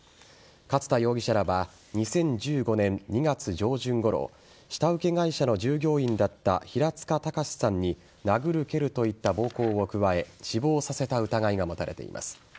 勝田容疑者らは２０１５年２月上旬ごろ下請け会社の従業員だった平塚崇さんに殴る蹴るといった暴行を加え死亡させた疑いが持たれています。